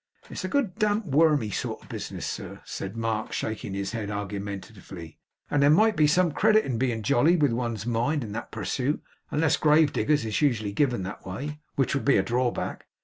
'It's a good damp, wormy sort of business, sir,' said Mark, shaking his head argumentatively, 'and there might be some credit in being jolly, with one's mind in that pursuit, unless grave diggers is usually given that way; which would be a drawback.